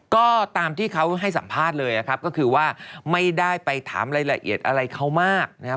ก็ตามที่เขาให้สัมภาษณ์เลยนะครับก็คือว่าไม่ได้ไปถามรายละเอียดอะไรเขามากนะครับ